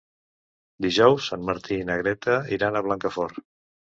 Dijous en Martí i na Greta iran a Blancafort.